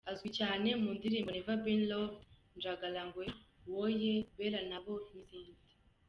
Azwi cyane mu ndirimbo “Never Been Loved”, “Njagala gwe”, "Wooye", “Beera Naabo” n’izindi.